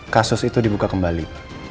kasus itu dibuka kembali